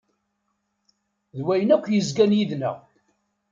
D wayen akk yezgan yid-neɣ.